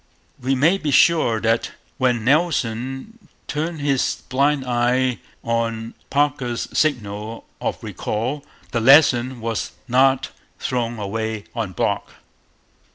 We may be sure that when Nelson turned his blind eye on Parker's signal of recall the lesson was not thrown away on Brock.